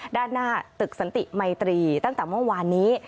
ด้านหน้าตึกสันติมัยตรีตั้งแต่เมื่อวานนี้